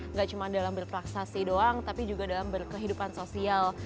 nggak cuma dalam berplaksasi doang tapi juga dalam berkehidupan sosial